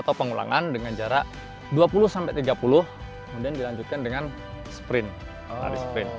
atau pengulangan dengan jarak dua puluh sampai tiga puluh kemudian dilanjutkan dengan sprint sprint